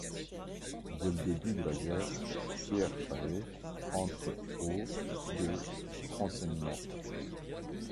Dès le début de la guerre, Pierre Chaillet entre au de renseignements.